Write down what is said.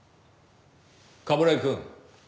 冠城くん。